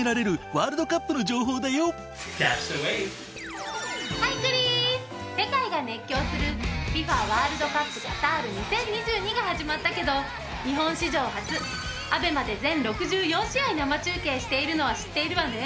ワールドカップカタール２０２２が始まったけど日本史上初ＡＢＥＭＡで全６４試合生中継しているのは知っているわね？